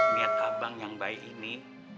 niat abang yang baik ini